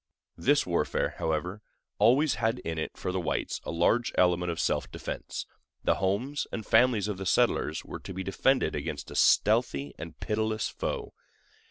This warfare, however, always had in it for the whites a large element of self defense—the homes and families of the settlers were to be defended against a stealthy and pitiless foe.